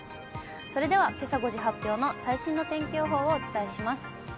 それではけさ５時発表の最新の天気予報をお伝えします。